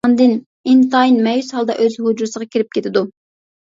ئاندىن ئىنتايىن مەيۈس ھالدا ئۆز ھۇجرىسىغا كىرىپ كېتىدۇ.